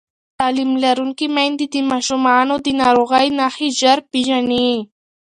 تعلیم لرونکې میندې د ماشومانو د ناروغۍ نښې ژر پېژني